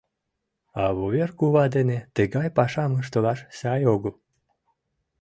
А Вуверкува дене тыгай пашам ыштылаш сай огыл.